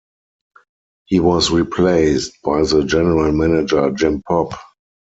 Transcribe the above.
He was replaced by the general manager Jim Popp.